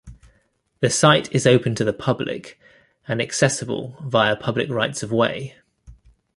The site is open to the public and accessible via public rights of way.